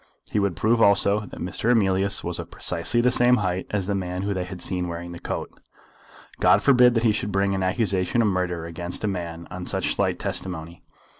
He would prove also that Mr. Emilius was of precisely the same height as the man whom they had seen wearing the coat. God forbid that he should bring an accusation of murder against a man on such slight testimony.